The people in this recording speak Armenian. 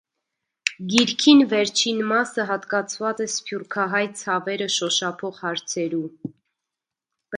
Գիրքին վերջին մասը յատկացուած է «սփիւռքահայ ցաւեր»ը շօշափող հարցերու։